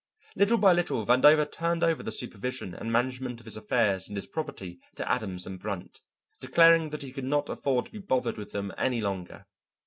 Little by little Vandover turned over the supervision and management of his affairs and his property to Adams & Brunt, declaring that he could not afford to be bothered with them any longer.